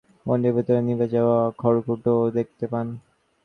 ভোরে মন্দিরে আসা পুণ্যার্থীরা মন্দিরের ভেতরে নিভে যাওয়া খড়কুটো দেখতে পান।